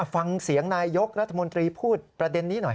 ฟังเสียงนายยกรัฐมนตรีพูดประเด็นนี้หน่อย